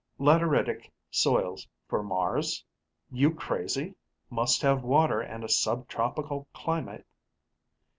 Lateritic soils for Mars? You crazy? Must have water and a subtropical climate...."